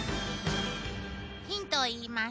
ヒントを言います。